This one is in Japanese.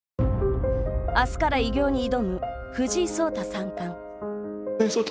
あすから偉業に挑む藤井聡太三冠。